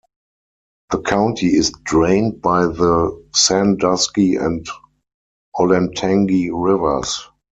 The county is drained by the Sandusky and Olentangy Rivers.